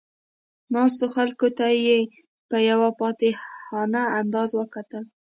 ناستو خلکو ته یې په یو فاتحانه انداز وکتل.